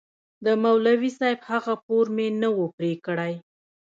د مولوي صاحب هغه پور مې نه و پرې کړى.